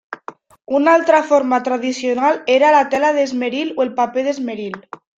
Una altra forma tradicional era la tela d'esmeril o el paper d'esmeril.